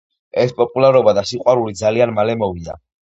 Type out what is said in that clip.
ეს პოპულარობა და სიყვარული ძალიან მალე მოვიდა.